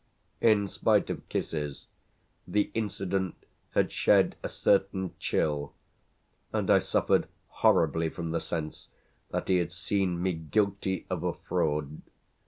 In spite of kisses the incident had shed a certain chill, and I suffered horribly from the sense that he had seen me guilty of a fraud.